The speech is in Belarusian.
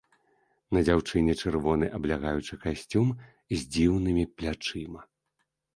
На дзяўчыне чырвоны аблягаючы касцюм з дзіўнымі плячыма.